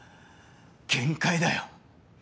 限界だよ。